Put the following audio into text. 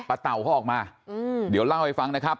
เต่าเขาออกมาเดี๋ยวเล่าให้ฟังนะครับ